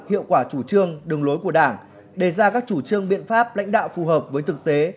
hiệu quả chủ trương đường lối của đảng đề ra các chủ trương biện pháp lãnh đạo phù hợp với thực tế